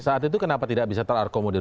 saat itu kenapa tidak bisa terakomodir